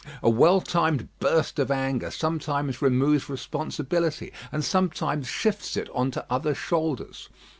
A well timed burst of anger sometimes removes responsibility, and sometimes shifts it on to other shoulders.